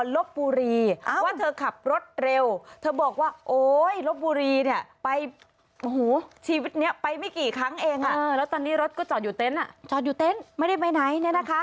แล้วตอนนี้รถก็จอดอยู่เต้นไม่ได้ไปไหน